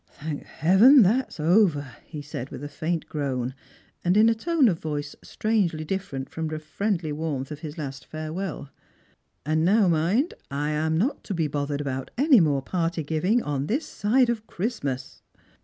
" Thank heaven, that's over," he said ^vith a faint groan, and in a tone of voice strangely diflferent from the friendly warmth of his last farewell. "And now mind, I am not to be bothered about any more party giving on this side of Christmas."